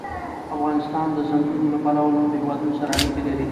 افغانستان د چنګلونه له پلوه له نورو هېوادونو سره اړیکې لري.